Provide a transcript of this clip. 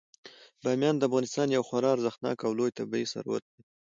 بامیان د افغانستان یو خورا ارزښتناک او لوی طبعي ثروت دی.